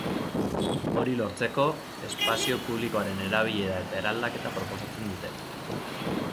Hori lortzeko, espazio publikoaren erabilera eta eraldaketa proposatzen dute.